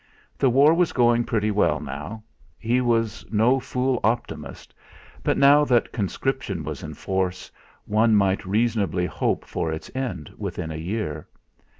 The war was going pretty well now; he was no fool optimist, but now that conscription was in force, one might reasonably hope for its end within a year.